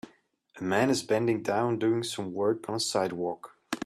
A man is bending down doing some work on a sidewalk.